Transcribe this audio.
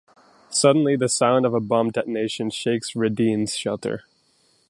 Suddenly, the sound of a bomb detonation shakes Radin's shelter.